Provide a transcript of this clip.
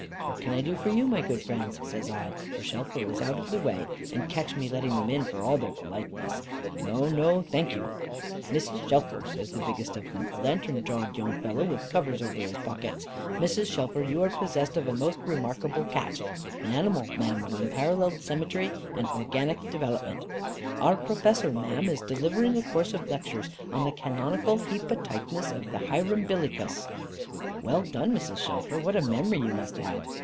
'What can I do for you, my good friends?' says I; for Shelfer was out of the way, and catch me letting them in for all their politeness. No, no, thank you. 'Mrs. Shelfer,' says the biggest of them, a lantern jawed young fellow with covers over his pockets, 'Mrs. Shelfer, you are possessed of a most remarkable cat. An animal, ma'am, of unparalleled cemetery and organic dewelopment. Our Professor, ma'am, is delivering a course of lectures on the Canonical Heapatightness of the Hirumbillycuss." "Well done, Mrs. Shelfer! What a memory you must have!"